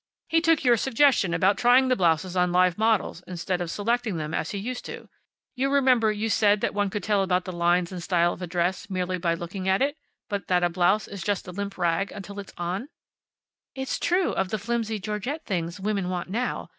He took your suggestion about trying the blouses on live models instead of selecting them as he used to. You remember you said that one could tell about the lines and style of a dress merely by looking at it, but that a blouse is just a limp rag until it's on." "It's true of the flimsy Georgette things women want now.